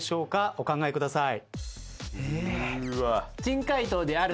お考えください。